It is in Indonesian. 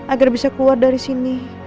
agar bisa keluar dari sini